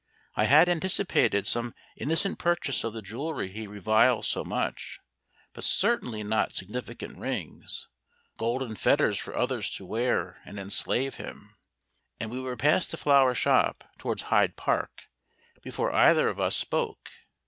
I had anticipated some innocent purchase of the jewellery he reviles so much, but certainly not significant rings, golden fetters for others to wear and enslave him; and we were past the flowershop towards Hyde Park before either of us spoke.